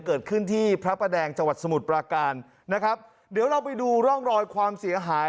เกิดขึ้นที่พระประแดงจังหวัดสมุทรปราการนะครับเดี๋ยวเราไปดูร่องรอยความเสียหาย